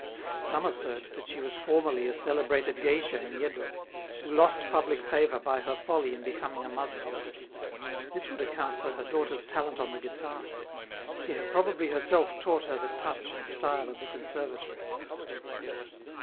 Some assert that she was formerly a celebrated geisha in Yeddo, who lost public favor by her folly in becoming a mother. This would account for her daughter's talent on the guitar; she had probably herself taught her the touch and style of the Conservatory.